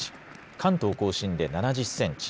関東甲信で７０センチ